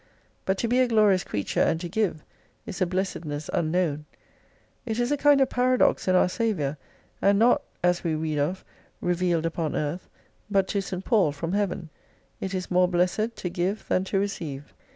But to be a glorious creature and to give, is a blessedness unknown. It is a kind of paradox in our Saviour, and not (as we read of) revealed upon earth, but to St. Paul from Heaven, It is more blessed to give than to receive.